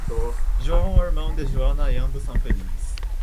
João é irmão de joana e ambos são felizes